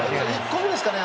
１個目ですかね